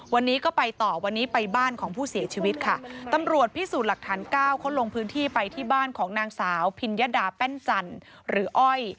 วันนี้ก็ไปต่อวันนี้ไปบ้านของผู้เสียชีวิตค่ะตำรวจพิสูจน์หลักฐานเก้าเขาลงพื้นที่ไปที่บ้านของนางสาวพิญญดาแป้นจันทร์หรืออ้อย